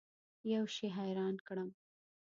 یوه شي حیران کړم.